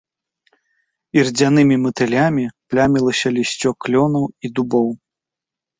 Ірдзянымі матылямі плямілася лісцё клёнаў і дубоў.